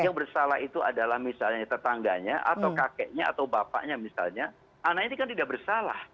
yang bersalah itu adalah misalnya tetangganya atau kakeknya atau bapaknya misalnya anak ini kan tidak bersalah